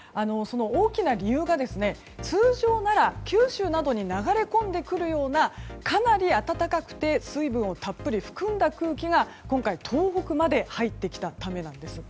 大きな理由が通常なら九州などに流れ込んでくるようなかなり暖かくて水分をたっぷり含んだ空気が今回、東北まで入ってきたためなんです。